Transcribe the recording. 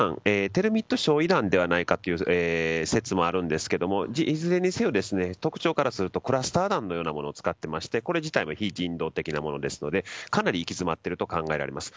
テルミット焼夷弾ではないかという説もあるんですけれどもいずれにせよ特徴からするとクラスター弾のようなものを使っていてこれも非人道的なものですのでかなり行き詰まっていると考えられます。